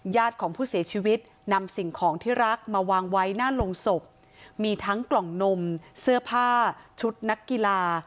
ของผู้เสียชีวิตนำสิ่งของที่รักมาวางไว้หน้าโรงศพมีทั้งกล่องนมเสื้อผ้าชุดนักกีฬา